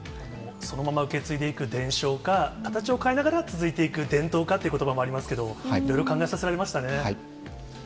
そのまま受け継いでいく伝承か、形を変えながら続いていく伝統かということばもありますけれども、いろいろ考えさせられましたね。